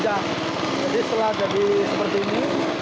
jadi setelah jadi seperti ini